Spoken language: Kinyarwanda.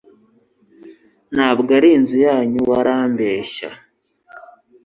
Ntabwo ari inzu nyanyu wa rambeshye